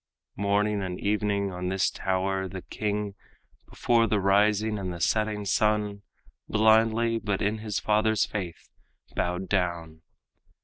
Morning and evening on this tower the king, Before the rising and the setting sun, Blindly, but in his father's faith, bowed down.